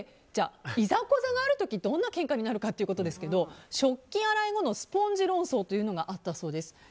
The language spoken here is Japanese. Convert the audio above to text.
いざこざがある時どんなけんかになるかということですが食器洗い後のスポンジ論争というのがあったそうです。